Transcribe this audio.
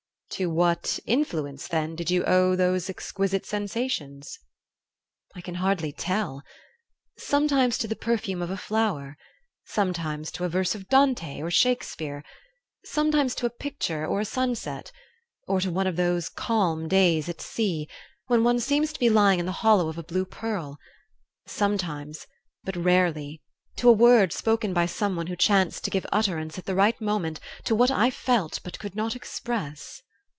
"To what influence, then, did you owe those exquisite sensations?" "I can hardly tell. Sometimes to the perfume of a flower; sometimes to a verse of Dante or of Shakespeare; sometimes to a picture or a sunset, or to one of those calm days at sea, when one seems to be lying in the hollow of a blue pearl; sometimes, but rarely, to a word spoken by someone who chanced to give utterance, at the right moment, to what I felt but could not express."